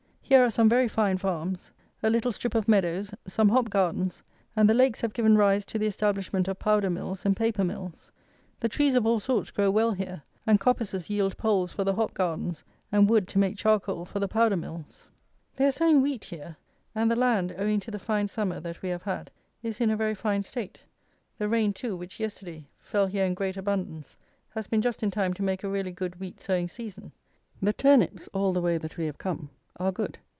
Here are some very fine farms, a little strip of meadows, some hop gardens, and the lakes have given rise to the establishment of powder mills and paper mills. The trees of all sorts grow well here; and coppices yield poles for the hop gardens and wood to make charcoal for the powder mills. They are sowing wheat here, and the land, owing to the fine summer that we have had, is in a very fine state. The rain, too, which, yesterday, fell here in great abundance, has been just in time to make a really good wheat sowing season. The turnips, all the way that we have come, are good.